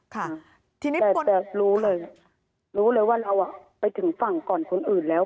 แต่รู้เลยว่าเราไปถึงฝั่งก่อนคนอื่นแล้ว